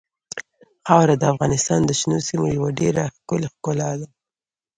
خاوره د افغانستان د شنو سیمو یوه ډېره ښکلې ښکلا ده.